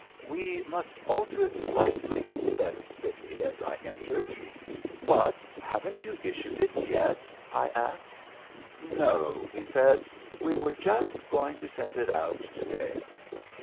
"We must alter it slightly," said Spiffy as I entered. "What! haven't you issued it yet?" I asked. "No," he said; "we were just going to send it out to day."